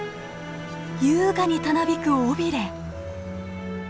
優雅にたなびく尾ビレ。